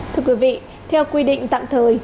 thưa quý vị theo quy định tạm thời